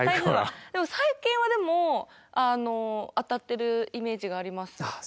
最近はでも当たってるイメージがありますよ。